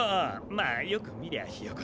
まあよくみりゃひよこだ。